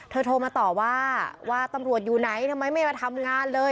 โทรมาต่อว่าว่าตำรวจอยู่ไหนทำไมไม่มาทำงานเลย